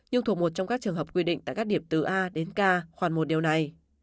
tiêu thụ một trong các trường hợp quy định tại các điểm từ a đến k khoảng một điều này